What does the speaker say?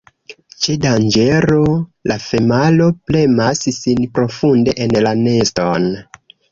Ĉe danĝero, la femalo premas sin profunde en la neston.